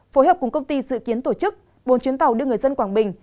phối hợp cùng công ty dự kiến tổ chức bốn chuyến tàu đưa người dân quảng bình